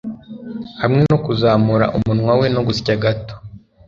hamwe no kuzamura umunwa we no gusya gato